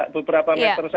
beberapa meter saja